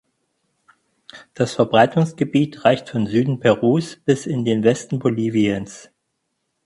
Das Verbreitungsgebiet reicht vom Süden Perus bis in den Westen Boliviens.